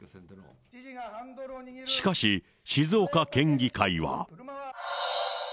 しかし、静岡県議会は。